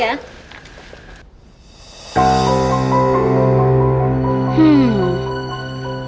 bahan allows mu pilih profesi